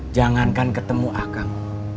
jangankan ketemu akang